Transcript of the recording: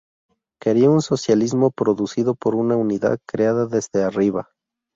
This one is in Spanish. Quería un socialismo producido por una unidad creada desde arriba.